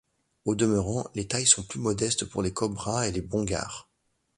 Au demeurant, les tailles sont plus modestes pour les cobras et les bongares.